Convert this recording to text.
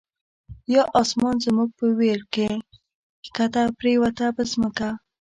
یا آسمان زمونږ په ویر کی، ښکته پریوته په ځمکه